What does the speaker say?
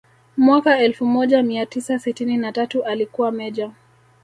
Mwaka elfu moja mia tisa sitini na tatu alikuwa meja